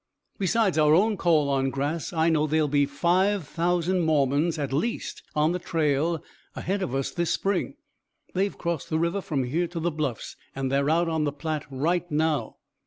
"Besides our own call on grass, I know there'll be five thousand Mormons at least on the trail ahead of us this spring they've crossed the river from here to the Bluffs, and they're out on the Platte right now.